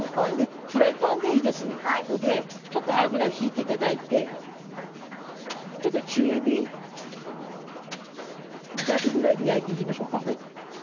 フライパンでいいので、ちょっと油を引いていただいて中火弱ぐらいで焼いていきましょうか。